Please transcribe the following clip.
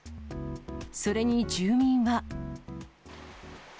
それに住民は。